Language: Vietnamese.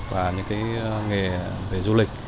và những nghề về du lịch